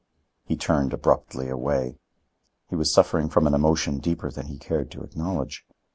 He turned abruptly away. He was suffering from an emotion deeper than he cared to acknowledge.